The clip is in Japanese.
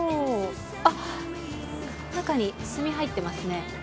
あっ中に炭入ってますね。